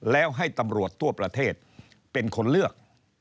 แล้วให้ตำรวจทั่วประเทศเป็นคนเลือก